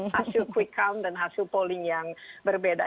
hasil quick count dan hasil polling yang berbeda